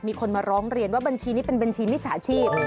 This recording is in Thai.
มีคนมาร้องเรียนว่าบัญชีนี้เป็นบัญชีมิจฉาชีพ